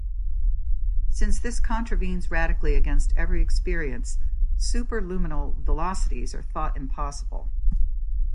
Since this contravenes radically against every experience, superluminal velocities are thought impossible.